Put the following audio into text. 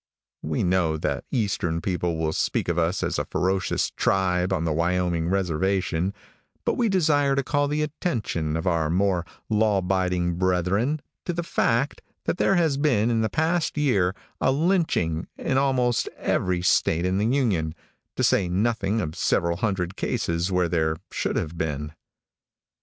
We know that eastern people will speak of us as a ferocious tribe on the Wyoming reservation, but we desire to call the attention of our more law abiding brethren to the fact that there has been in the past year a lynching in almost every state in the Union, to say nothing of several hundred cases where there should have been.